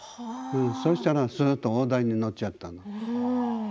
そしたらすぐに大台にのっちゃったの。